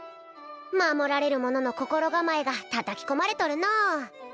守られる者の心構えが叩き込まれとるのう